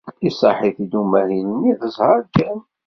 Iṣaḥ-it-id umahil-nni d zzheṛ kan.